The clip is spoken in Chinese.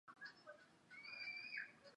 这都是有关他的经济思想的重要文献。